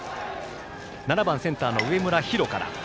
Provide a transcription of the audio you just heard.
７番センターの上村陽大から。